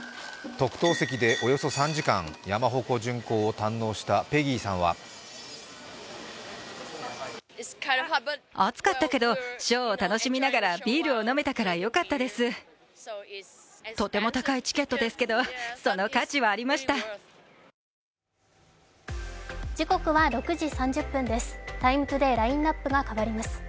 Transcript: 特等席でおよそ３時間、山鉾巡行を堪能したペギーさんは「ＴＩＭＥ，ＴＯＤＡＹ」ラインナップが変わります。